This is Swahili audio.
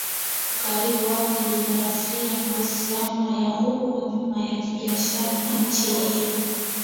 ukaribu wao kijografia na mahusiano ya huko nyuma ya kibiashara na nchi hiyo